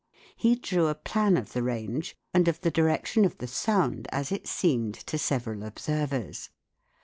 He drew a plan of the range and of the direction of the sound as it seemed to several observers.